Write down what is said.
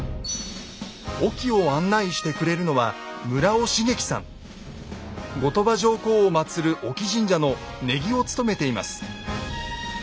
隠岐を案内してくれるのは後鳥羽上皇をまつる隠岐神社の禰宜を務めています。